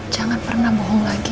jangan pernah bohong lagi